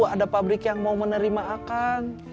ada pabrik yang mau menerima akang